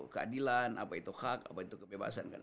keadilan apa itu hak apa itu kebebasan kan